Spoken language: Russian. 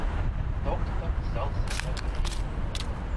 Доктор взялся за кофей.